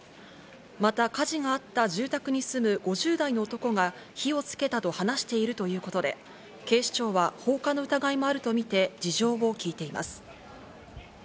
また火事があった住宅に住む５０代の男が火をつけたと話しているということで、警視庁は放火の疑いもあるとみて事情を聴いています。